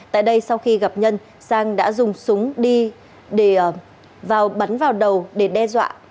tại đây sau khi gặp nhân sang đã dùng súng đi vào bắn vào đầu để đe dọa